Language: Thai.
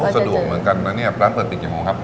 สะดวกเหมือนกันนะเนี่ยร้านเปิดปิดกี่โมงครับ